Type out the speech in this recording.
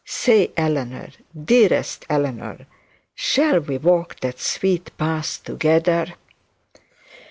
Say, Eleanor, dearest Eleanor, shall we walk that sweet path together?'